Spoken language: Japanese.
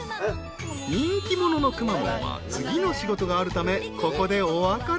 ［人気者のくまモンは次の仕事があるためここでお別れ］